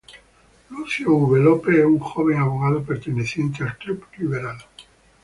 Lucio V. López es un joven abogado perteneciente al Club Liberal.